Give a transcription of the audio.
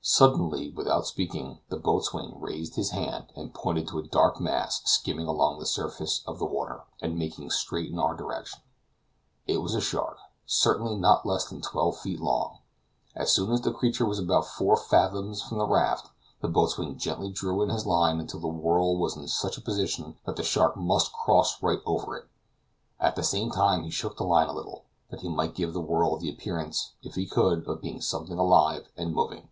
Suddenly, without speaking, the boatswain raised his hand and pointed to a dark mass skimming along the surface of the water, and making straight in our direction. It was a shark, certainly not less than twelve feet long. As soon as the creature was about four fathoms from the raft, the boatswain gently drew in his line until the whirl was in such a position that the shark must cross right over it; at the same time he shook the line a little, that he might give the whirl the appearance, if he could, of being something alive and moving.